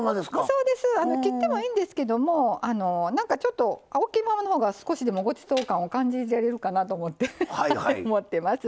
切ってもいいんですけどちょっと大きいままのほうが少しでもごちそう感を感じられるかなと思ってます。